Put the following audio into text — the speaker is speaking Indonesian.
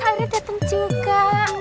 hari ini datang juga